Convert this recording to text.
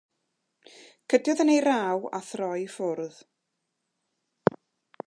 Cydiodd yn ei raw a throi i ffwrdd.